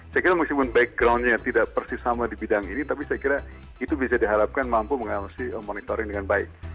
saya kira meskipun backgroundnya tidak persis sama di bidang ini tapi saya kira itu bisa diharapkan mampu mengawasi monitoring dengan baik